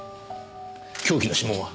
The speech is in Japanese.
凶器の指紋は？